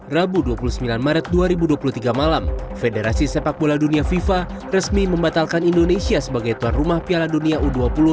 rabu dua puluh sembilan maret dua ribu dua puluh tiga malam federasi sepak bola dunia fifa resmi membatalkan indonesia sebagai tuan rumah piala dunia u dua puluh tiga